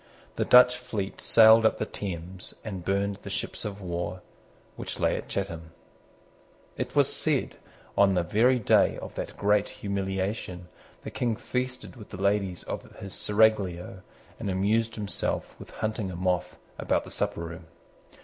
The Dutch fleet sailed up the Thames, and burned the ships of war which lay at Chatham. It was said that, on the very day of that great humiliation, the King feasted with the ladies of his seraglio, and amused himself with hunting a moth about the supper room.